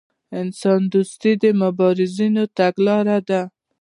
انسان دوستي د مبارزینو تګلاره ده.